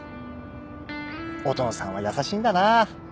音野さんは優しいんだな。